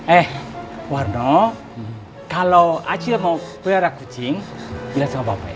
eh warno kalau acil mau pelahara kucing bilang sama bapak ya